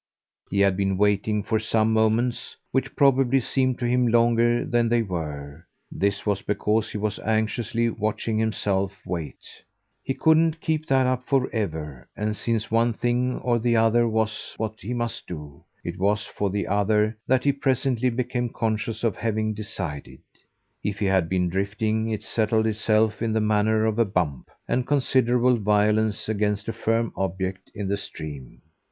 He had been waiting for some moments, which probably seemed to him longer than they were; this was because he was anxiously watching himself wait. He couldn't keep that up for ever; and since one thing or the other was what he must do, it was for the other that he presently became conscious of having decided. If he had been drifting it settled itself in the manner of a bump, of considerable violence, against a firm object in the stream.